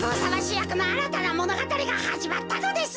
やくのあらたなものがたりがはじまったのです。